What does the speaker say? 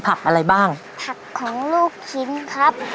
ผักของลูกชิ้นครับ